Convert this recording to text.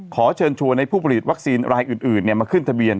ขอเชิญชวนให้ผู้ผลิตวัคซีนรายอื่นมาขึ้นทะเบียน